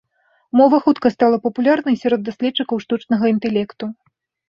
Мова хутка стала папулярнай сярод даследчыкаў штучнага інтэлекту.